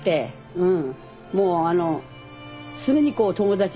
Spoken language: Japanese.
うん。